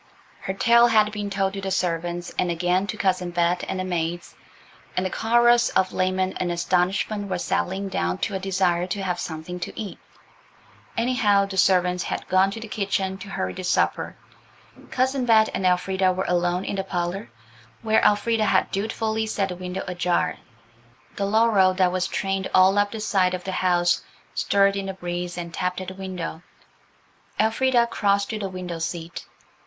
Her tale had been told to the servants, and again to Cousin Bet and the maids, and the chorus of lament and astonishment was settling down to a desire to have something to eat; anyhow, the servants had gone to the kitchen to hurry the supper. Cousin Bet and Elfrida were alone in the parlour, where Elfrida had dutifully set the window ajar. The laurel that was trained all up that side of the house stirred in the breeze and tapped at the window. Elfrida crossed to the window seat.